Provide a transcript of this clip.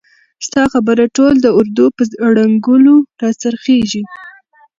ستا خبره ټول د اردو په ړنګولو را څرخیږي!